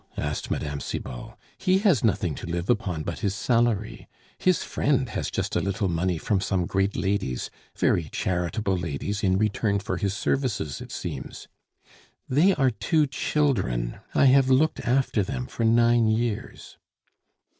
asked Mme. Cibot. "He has nothing to live upon but his salary; his friend has just a little money from some great ladies, very charitable ladies, in return for his services, it seems. They are two children. I have looked after them for nine years."